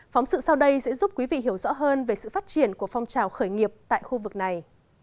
phóng sự sau đây sẽ giúp quý vị hiểu rõ hơn về sự phát triển của phong trào khởi nghiệp tại khu vực này